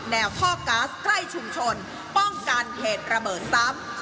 ท่อก๊าซใกล้ชุมชนป้องกันเหตุระเบิดซ้ำ